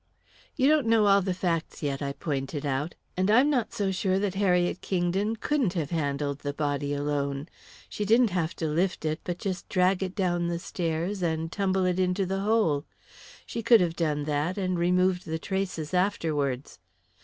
"You don't know all the facts, yet," I pointed out. "And I'm not so sure that Harriet Kingdon couldn't have handled the body alone. She didn't have to lift it, but just drag it down the stairs and tumble it into the hole. She could have done that, and removed the traces afterwards."